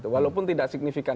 walaupun tidak signifikan